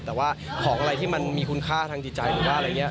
แต่ว่าของอะไรที่มันมีคุณค่าทางจิตใจหรือว่าอะไรอย่างนี้